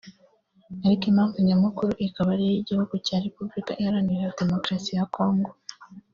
ariko impamvu nyamukuru ikaba ngo ari igihugu cya Repubulkika Iharanira Demokarasi ya Congo